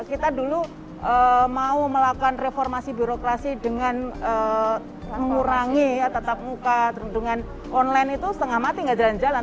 kita dulu mau melakukan reformasi birokrasi dengan mengurangi tetap muka dengan online itu setengah mati nggak jalan jalan